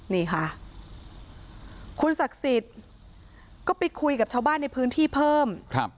นี่ค่ะคุณศักดิ์สิทธิ์ก็ไปคุยกับชาวบ้านในพื้นที่เพิ่ม